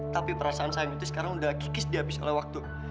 tapi perasaan sayang itu sekarang udah kikis di habis oleh waktu